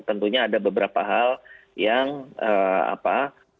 tentunya ada beberapa hal yang apa